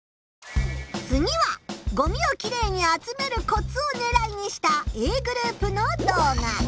次は「ごみをキレイに集めるコツ」をねらいにしたＡグループの動画。